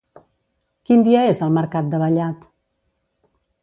Quin dia és el mercat de Vallat?